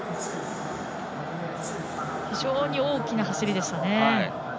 非常に大きな走りでした。